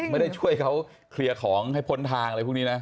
ไม่ได้ช่วยเขาเคลียร์ของให้พ้นทางอะไรพวกนี้นะ